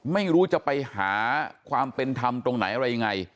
ไม่รู้จะไปหาความเป็นธรรมตรงไหนอะไรยังไง